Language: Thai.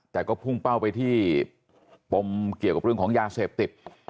แต่ก็พุ่งเป้าไปที่ปมเกี่ยวกับเรื่องของยาเสพติด